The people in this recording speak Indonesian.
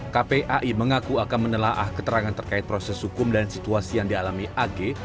kpai mengaku akan menelaah keterangan terkait proses hukum dan situasi yang dialami ag